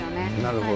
なるほど。